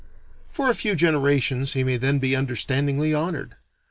For a few generations he may then be understandingly honored.